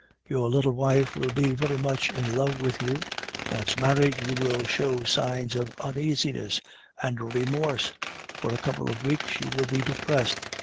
Your little wife will be very much in love with you. Once married, you will show signs of uneasiness and remorse; for a couple of weeks you will be depressed.